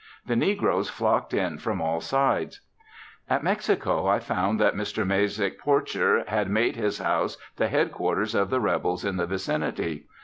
The negroes flocked in from all sides. At Mexico I found that Mr. Mazyck Porcher had made his house the headquarters of the Rebels in the vicinity.